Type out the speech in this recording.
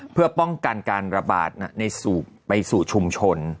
เพื่อป้องกันการระบาดไปสู่ชุมชน